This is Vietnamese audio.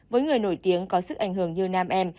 với người nổi tiếng có sức ảnh hưởng như nam em